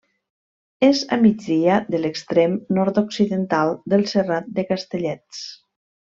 És a migdia de l'extrem nord-occidental del Serrat de Castellets.